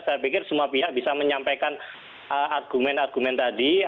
saya pikir semua pihak bisa menyampaikan argumen argumen tadi